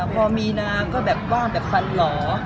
พอมีนางก็แบบว่างแบบฟันหล่อ